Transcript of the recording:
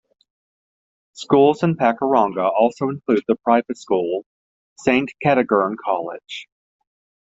Schools in Pakuranga also include the private school Saint Kentigern College.